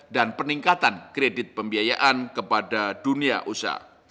dan peningkatan kredit pembiayaan kepada dunia usaha